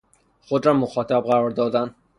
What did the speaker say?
خود را مخاطب قرار دادن